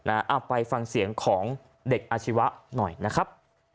เอาไปฟังเสียงของเด็กอาชีวะหน่อยนะครับ